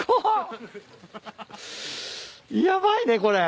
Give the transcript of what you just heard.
ヤバいねこれ。